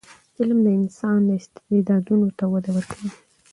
علم د انسان استعدادونو ته وده ورکوي.